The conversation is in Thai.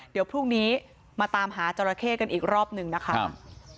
เดี๋ยวพรุ่งนี้มาตามหาจราเข้กันอีกรอบหนึ่งนะคะ